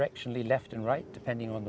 jadi anda memiliki acara kecemasan di sini